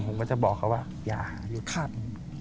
ผมก็จะบอกเขาว่าอย่าหาอยู่ข้างนี้